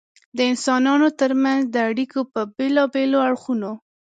د انسانانو تر منځ د اړیکو په بېلابېلو اړخونو.